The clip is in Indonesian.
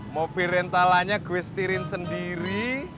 mobil rentalanya gue setirin sendiri